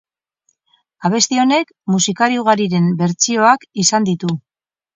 Abesti honek musikari ugariren bertsioak izan ditu.